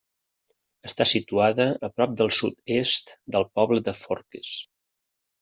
Està situada a prop al sud-est del poble de Forques.